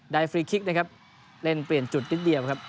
ฟรีคลิกนะครับเล่นเปลี่ยนจุดนิดเดียวครับ